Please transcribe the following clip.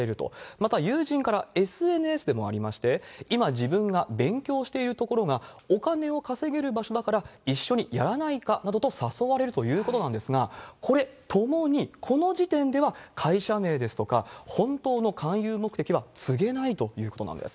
また、友人からＳＮＳでもありまして、今、自分が勉強している所がお金を稼げる場所だから一緒にやらないかなどと誘われるということなんですが、これ、ともに、この時点では、会社名ですとか、本当の勧誘目的は告げないということなんです。